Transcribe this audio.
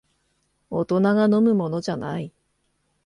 大人が飲むものじゃない